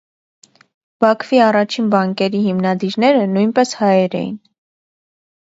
Բաքվի առաջին բանկերի հիմնադիրները նույնպես հայեր էին։